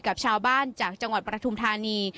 กับชาวบ้านจากจังหวัดประทุมธานี